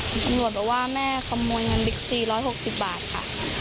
คุณตำรวจบอกว่าแม่ขโมยเงินบิ๊กซี๑๖๐บาทค่ะ